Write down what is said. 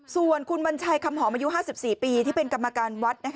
ส่วนคุณวัญชัยคำหอมอายุ๕๔ปีที่เป็นกรรมการวัด